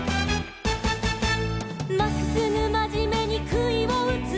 「まっすぐまじめにくいをうつ」